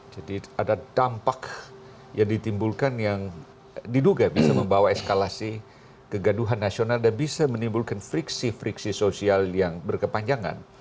jadi ada dampak yang ditimbulkan yang diduga bisa membawa eskalasi kegaduhan nasional dan bisa menimbulkan friksi friksi sosial yang berkepanjangan